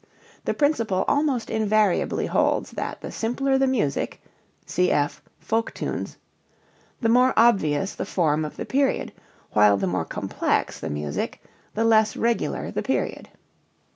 The principle almost invariably holds that the simpler the music (cf. folk tunes) the more obvious the form of the period, while the more complex the music, the less regular the period.